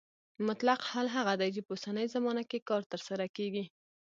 مطلق حال هغه دی چې په اوسنۍ زمانه کې کار ترسره کیږي.